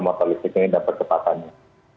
sama motor listrik ini dapat kecepatannya